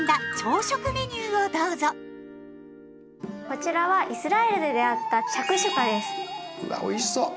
こちらはイスラエルで出会ったうわおいしそう。